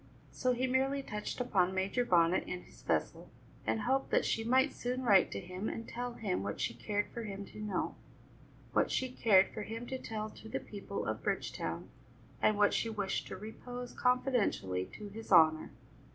So he merely touched upon Major Bonnet and his vessel, and hoped that she might soon write to him and tell him what she cared for him to know, what she cared for him to tell to the people of Bridgetown, and what she wished to repose confidentially to his honour.